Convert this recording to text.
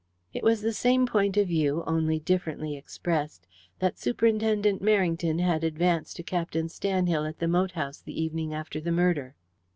It was the same point of view, only differently expressed, that Superintendent Merrington had advanced to Captain Stanhill at the moat house the evening after the murder.